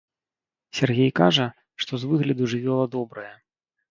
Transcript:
Сяргей кажа, што з выгляду жывёла добрая.